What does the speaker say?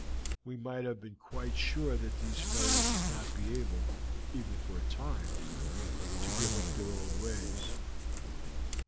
We might have been quite sure that these fellows would not be able, even for a time, to give up their old ways.